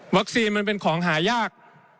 มันเป็นของหายาก